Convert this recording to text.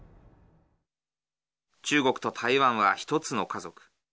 中国と台湾は１つの家族。